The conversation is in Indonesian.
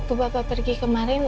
waktu bapak pergi kemarin